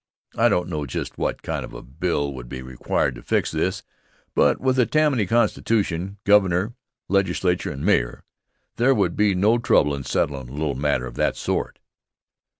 I don't know just what kind of a bill would be required to fix this, but with a Tammany Constitution, Governor, Legislature and Mayor, there would be no trouble in settlin' a little matter of that sort.